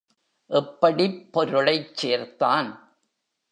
எப்படிப் பொருளைச் சேர்த்தான்?